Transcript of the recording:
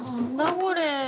これ。